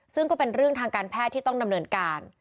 ซึ่งก็เป็นเรื่องทางการแพทย์ที่ต้องดำเนินการ